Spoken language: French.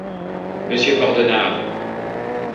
Monsieur Bordenave!